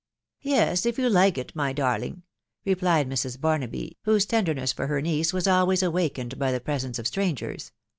« Yes, if you like it, my darling !.... re plied Mrs. Barnaby, whose tenderness for her niece was always awakened by the presence of strangers.